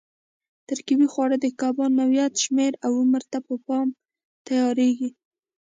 ترکیبي خواړه د کبانو نوعیت، شمېر او عمر ته په پام تیارېږي.